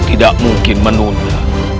tidak mungkin menunda